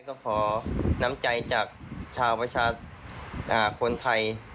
ก็ขอน้ำใจจากชาวประชาชนคนไทย